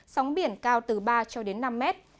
sóng biển cao từ ba cho đến năm mét